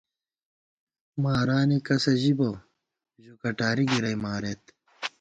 مارانے کسہ ژِی بہ ، ژو کٹاری گِرَئی مارېت